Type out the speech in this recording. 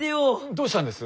どうしたんです？